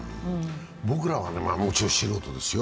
僕らはもちろん素人ですよ。